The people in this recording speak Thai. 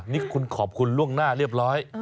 นี่คุณขอบคุณล่วงหน้าเรียบร้อย